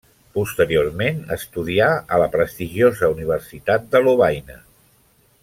Posteriorment estudià a la prestigiosa Universitat de Lovaina.